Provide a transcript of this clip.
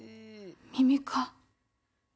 耳か。